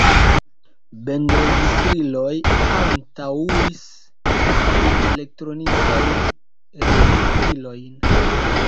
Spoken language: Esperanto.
Bendregistriloj antaŭis elektronikajn registrilojn.